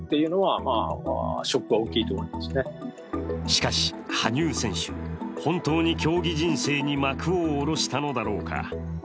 しかし羽生選手、本当に競技人生に幕を下ろしたのだろうか。